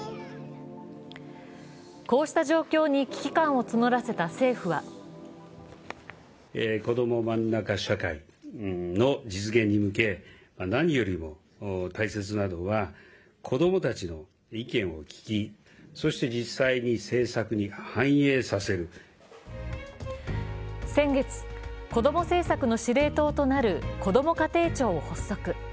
こうした状況に危機感を募らせた政府は先月、子ども政策の司令塔となるこども家庭庁を発足。